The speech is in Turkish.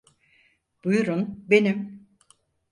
Buyurun benim.